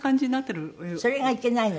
それがいけないの？